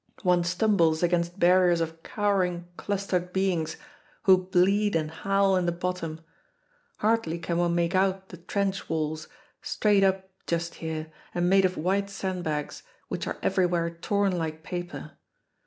One stumbles against barriers of cowering clustered beings who bleed and howl in the bottom. Hardly can one make out the trench walls, straight up just here and made of white sandbags, which are everywhere torn like paper.